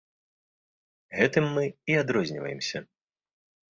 Гэтым мы і адрозніваемся.